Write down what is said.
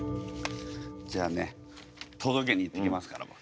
じゃあね届けに行ってきますから。